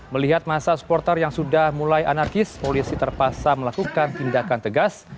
melihat masa supporter yang sudah mulai anarkis polisi terpaksa melakukan tindakan tegas